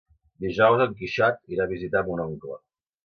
Dijous en Quixot irà a visitar mon oncle.